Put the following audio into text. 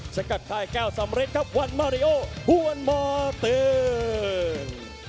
สกัดค่ายแก้วสำเร็จครับวันมาริโอหวนบ่อตื่น